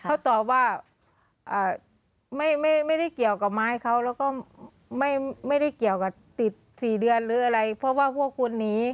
เขาตอบว่าไม่ได้เกี่ยวกับไม้เขาแล้วก็ไม่ได้เกี่ยวกับติด๔เดือนหรืออะไรเพราะว่าพวกคุณหนี